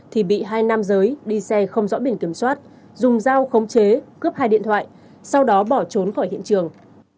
thì bị hai nam giới đi xe không rõ biển kiểm soát dùng dao khống chế cướp hai điện thoại sau đó bỏ trốn khỏi hiện trường